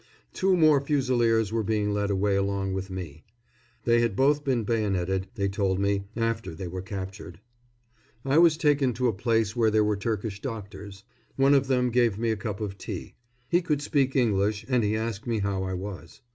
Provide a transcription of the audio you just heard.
Two more Fusiliers were being led away along with me. They had both been bayoneted, they told me, after they were captured. I was taken to a place where there were Turkish doctors. One of them gave me a cup of tea. He could speak English, and he asked me how I was.